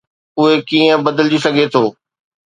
اهو ڪيئن بدلجي سگهي ٿو؟